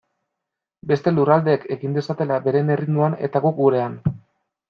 Beste lurraldeek egin dezatela beren erritmoan eta guk gurean.